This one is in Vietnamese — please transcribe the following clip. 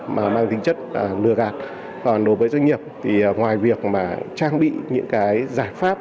mà mang tính chất lừa gạt còn đối với doanh nghiệp thì ngoài việc mà trang bị những cái giải pháp